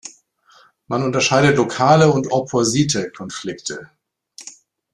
Man unterscheidet lokale und opposite Konflikte.